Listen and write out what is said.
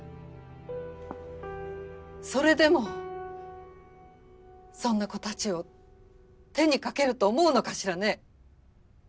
それでもそんな子たちを手にかけると思うのかしらね？